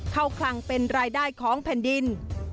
คลังเป็นรายได้ของแผ่นดิน